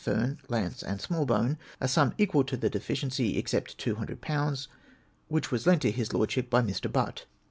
Fearn, Lance, and Smallbone, a sum equal to the deficiency, except 200/. which was lent to his Lordship by Mr. Butt.